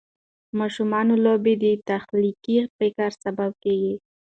د ماشومانو لوبې د تخلیقي فکر سبب کېږي.